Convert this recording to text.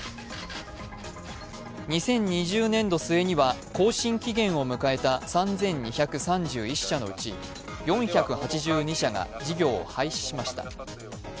２０２０年度末には更新期限を迎えた３２３１社のうち４８２社が事業を廃止しました。